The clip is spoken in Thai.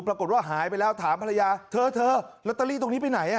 ปรากฏว่าหายไปแล้วถามภรรยาเธอลอตเตอรี่ตรงนี้ไปไหน